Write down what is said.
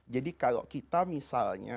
jadi kalau kita misalnya